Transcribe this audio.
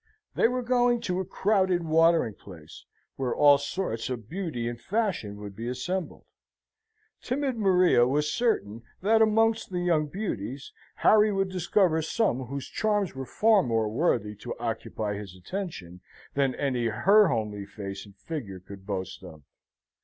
They were going to a crowded watering place, where all sorts of beauty and fashion would be assembled; timid Maria was certain that amongst the young beauties, Harry would discover some, whose charms were far more worthy to occupy his attention, than any her homely face and figure could boast of.